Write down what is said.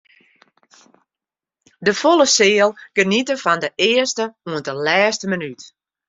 De folle seal geniete fan de earste oant de lêste minút.